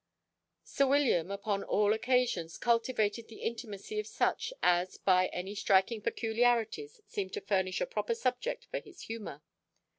Sir William, upon all occasions, cultivated the intimacy of such, as, by any striking peculiarities, seemed to furnish a proper subject for his humour.